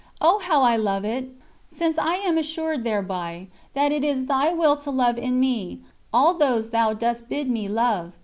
Oh how I love it, since I am assured thereby that it is Thy Will to love in me all those Thou dost bid me love!